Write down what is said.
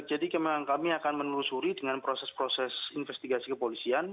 jadi kami akan menelusuri dengan proses proses investigasi kepolisian